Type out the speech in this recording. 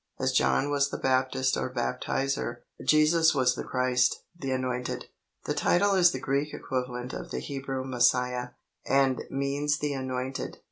As John was the Baptist or Baptizer, Jesus was the Christ the Anointed. The title is the Greek equivalent of the Hebrew Messiah, and means the Anointed.